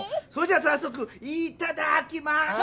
それじゃさっそくいただきます！